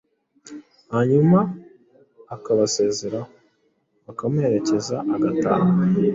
hanyuma akabasezeraho, bakamuherekeza agataha.